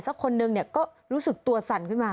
คนนึงเนี่ยก็รู้สึกตัวสั่นขึ้นมา